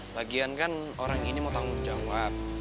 bagian kan orang ini mau tanggung jawab